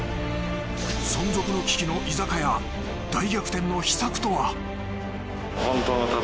存続の危機の居酒屋大逆転の秘策とは？